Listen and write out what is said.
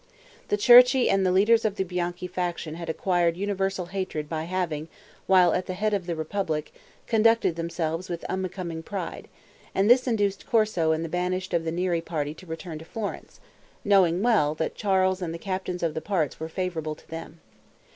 The Cerchi and the leaders of the Bianchi faction had acquired universal hatred by having, while at the head of the republic, conducted themselves with unbecoming pride; and this induced Corso and the banished of the Neri party to return to Florence, knowing well that Charles and the Captains of the Parts were favorable to them.